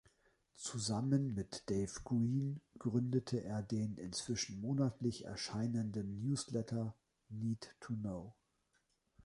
Zusammen mit Dave Green gründete er den inzwischen monatlich erscheinenden Newsletter "Need To Know".